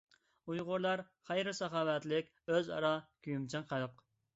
ئۇيغۇرلار خەير-ساخاۋەتلىك، ئۆزئارا كۆيۈمچان خەلق.